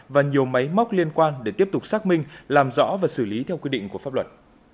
và nhiều máy móc liên quan để tiếp tục xác minh làm rõ và xử lý theo quy định của pháp luật